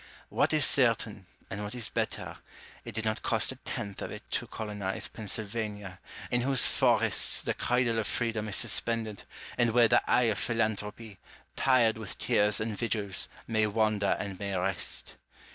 What is certain, and what is better, it did not cost a tenth of it to colonise Pennsylvania, in whose forests the cradle of freedom is suspended, and where the eye of philanthropy, tired with tears and vigils, may wander and may rest.